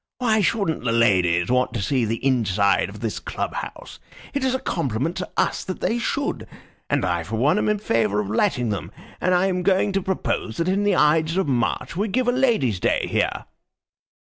"Why shouldn't the ladies want to see the inside of this club house? It is a compliment to us that they should, and I for one am in favor of letting them, and I am going to propose that in the Ides of March we give a ladies' day here."